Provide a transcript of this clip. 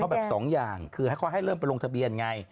เค้าแบบ๒อย่างคือให้เริ่มลงทะเบียนอย่างไร